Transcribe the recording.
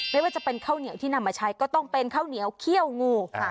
ไม่ว่าจะเป็นข้าวเหนียวที่นำมาใช้ก็ต้องเป็นข้าวเหนียวเขี้ยวงูค่ะ